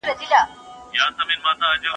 لويه جرګه به د سولي د خبرو ملاتړ کوي.